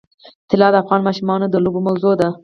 طلا د افغان ماشومانو د لوبو موضوع ده.